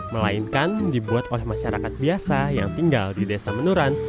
melainkan dibuat oleh masyarakat biasa yang tinggal di desa menuran